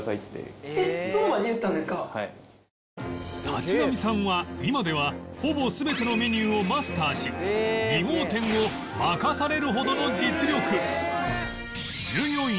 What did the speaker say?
立波さんは今ではほぼ全てのメニューをマスターし２号店を任されるほどの実力